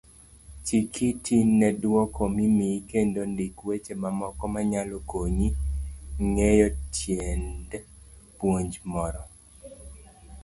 Chikiti nedwoko mimiyi kendo ndik weche mamoko manyalo konyi ng'eyo tiend puonj moro.